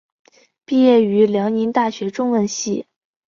毕业于辽宁大学中文系。